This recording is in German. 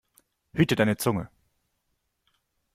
Hüte deine Zunge!